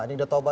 nah ini sama